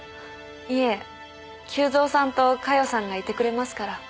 いえ久造さんと加代さんがいてくれますから。